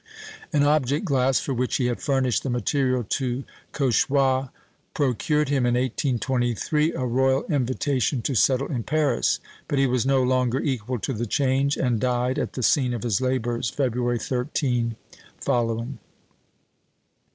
An object glass for which he had furnished the material to Cauchoix, procured him, in 1823, a royal invitation to settle in Paris; but he was no longer equal to the change, and died at the scene of his labours, February 13 following.